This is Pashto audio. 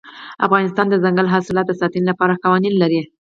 افغانستان د دځنګل حاصلات د ساتنې لپاره قوانین لري.